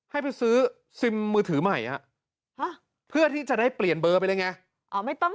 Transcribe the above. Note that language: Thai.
ให้ไปซื้อซิมมือถือใหม่เพื่อที่จะได้เปลี่ยนเบอร์ไปเลยไง